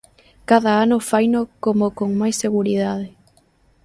Cada ano faino como con máis seguridade.